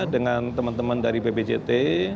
dengan teman teman dari bpjt